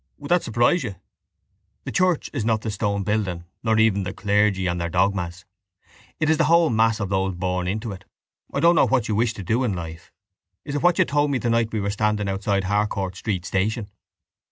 Would that surprise you? The church is not the stone building nor even the clergy and their dogmas. It is the whole mass of those born into it. I don't know what you wish to do in life. Is it what you told me the night we were standing outside Harcourt Street station?